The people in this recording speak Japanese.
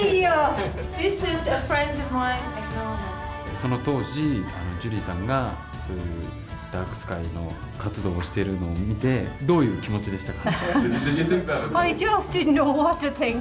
その当時ジュリーさんがそういうダークスカイの活動をしているのを見てどういう気持ちでしたか？